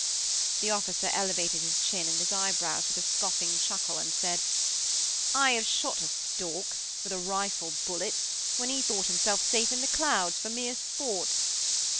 The officer elevated his chin and his eyebrows, with a scoffing chuckle, and said: "I have shot a stork, with a rifle bullet, when he thought himself safe in the clouds, for mere sport!"